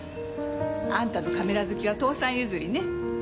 あんたのカメラ好きは父さん譲りね。